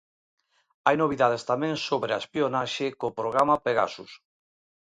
Hai novidades tamén sobre a espionaxe co programa Pegasus.